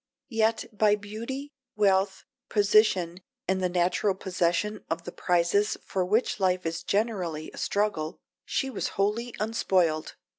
Yet by beauty, wealth, position, and the natural possession of the prizes for which life is generally a struggle, she was wholly unspoiled.